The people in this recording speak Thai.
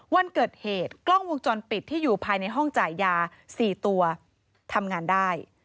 วันเกิดเหตุกล้องวงจรปิดที่อยู่ภายในห้องจ่ายยา๔ตัวทำงานได้